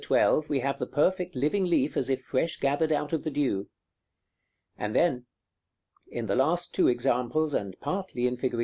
12 we have the perfect living leaf as if fresh gathered out of the dew. And then, in the last two examples and partly in fig.